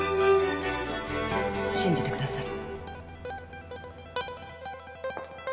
信じてください。